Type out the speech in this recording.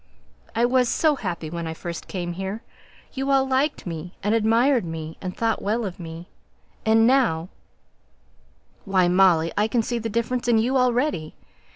I was so happy when I first came here; you all liked me, and admired me, and thought well of me, and now Why, Molly, I can see the difference in you already.